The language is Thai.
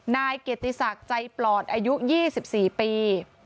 นายเกียรติศักดิ์ใจปลอดอายุ๒๔ปี